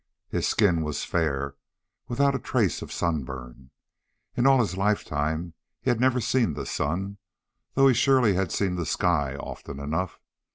His skin was fair without a trace of sunburn. In all his lifetime he had never seen the sun, though he surely had seen the sky often enough.